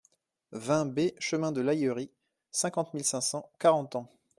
vingt B chemin de l'Aillerie, cinquante mille cinq cents Carentan